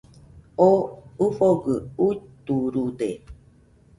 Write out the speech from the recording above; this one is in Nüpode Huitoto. Oo ɨfogɨ uiturude